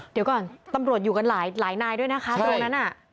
เดี๋ยวก่อนตำรวจอยู่กันหลายนายด้วยนะคะตรงนั้นน่ะ